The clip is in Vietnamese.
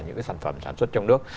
những cái sản phẩm sản xuất trong nước